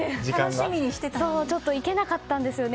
ちょっと行けなかったんですよね